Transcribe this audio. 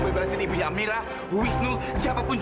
bapak tidak digegar sedikit pun